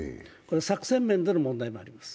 作戦面での問題もあります。